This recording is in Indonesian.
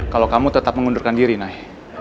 kalau kamu tetap mengundurkan diri nah